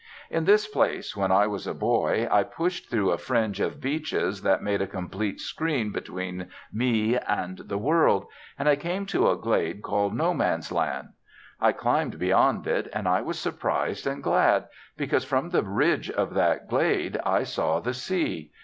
In this place, when I was a boy, I pushed through a fringe of beeches that made a complete screen between me and the world, and I came to a glade called No Man's Land. I climbed beyond it, and I was surprised and glad, because from the ridge of that glade, I saw the sea.